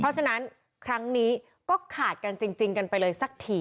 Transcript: เพราะฉะนั้นครั้งนี้ก็ขาดกันจริงกันไปเลยสักที